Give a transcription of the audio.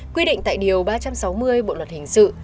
quy định tại điều ba trăm sáu mươi bộ luật hình sự